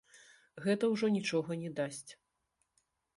Гэта ўжо нічога не дасць.